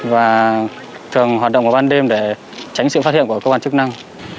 và thường hoạt động vào ban đêm để tránh sự phát hiện của công an chức năng